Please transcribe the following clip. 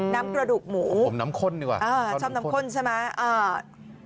น้ำกระดูกหมูผมน้ำข้นดีกว่าชอบน้ำข้นใช่ไหม